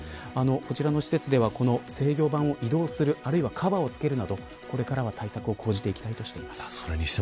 こちらの施設では制御盤を移動するあるいはカバーを付けるなどこれからは対策を講じていきたいそうです。